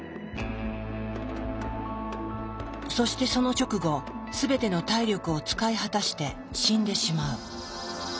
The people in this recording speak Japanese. そしてその直後すべての体力を使い果たして死んでしまう。